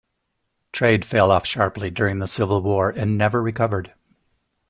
Trade fell off sharply during the Civil War and never recovered.